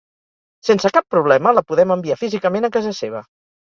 Sense cap problema, la podem enviar físicament a casa seva.